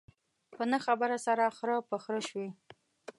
په نه خبره سره خره په خره شوي.